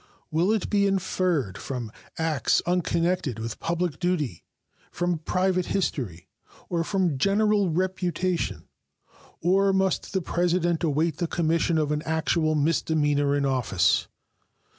Will it be inferred from acts unconnected with public duty, from private history, or from general reputation, or must the President await the commission of an actual misdemeanor in office?